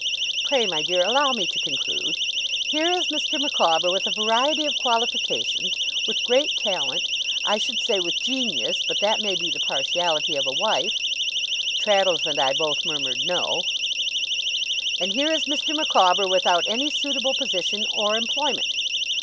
'Pray, my dear, allow me to conclude. Here is Mr. Micawber, with a variety of qualifications, with great talent I should say, with genius, but that may be the partiality of a wife ' Traddles and I both murmured 'No.' 'And here is Mr. Micawber without any suitable position or employment.